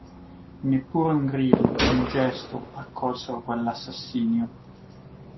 Neppure un grido, un gesto, accolsero quell'assassinio.